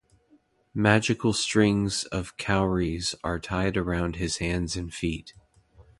Magical strings of cowries are tied around his hands and feet.